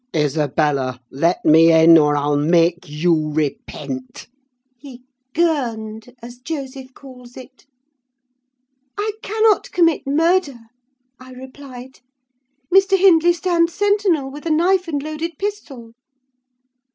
"'Isabella, let me in, or I'll make you repent!' he 'girned,' as Joseph calls it. "'I cannot commit murder,' I replied. 'Mr. Hindley stands sentinel with a knife and loaded pistol.